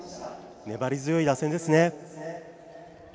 粘り強い打線ですね。